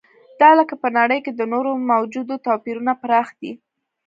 دا لکه په نړۍ کې د نورو موجودو توپیرونو پراخ دی.